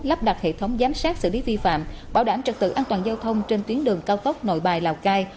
lắp đặt hệ thống giám sát xử lý vi phạm bảo đảm trật tự an toàn giao thông trên tuyến đường cao tốc nội bài lào cai